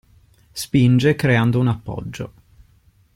Spinge creando un appoggio.